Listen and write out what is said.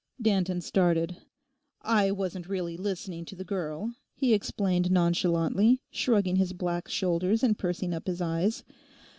Danton started. 'I wasn't really listening to the girl,' he explained nonchalantly, shrugging his black shoulders and pursing up his eyes.